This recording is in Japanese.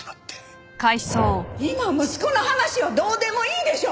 今息子の話はどうでもいいでしょ！